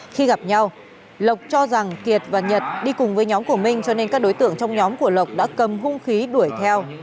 khi gặp nhau lộc cho rằng kiệt và nhật đi cùng với nhóm của minh cho nên các đối tượng trong nhóm của lộc đã cầm hung khí đuổi theo